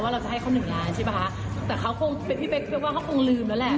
ว่าเราจะให้เขาหนึ่งล้านใช่ป่ะฮะแต่เขาคงพี่เบ๊กคิดว่าเขาคงลืมแล้วแหละ